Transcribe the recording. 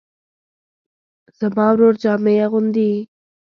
زما ورور جامې اغوندي